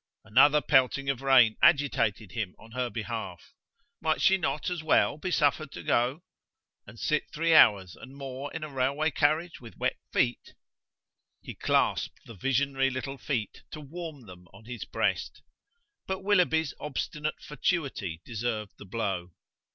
Another pelting of rain agitated him on her behalf. Might she not as well be suffered to go? and sit three hours and more in a railway carriage with wet feet! He clasped the visionary little feet to warm them on his breast. But Willoughby's obstinate fatuity deserved the blow!